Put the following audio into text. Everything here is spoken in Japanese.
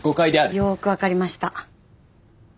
よく分かりました。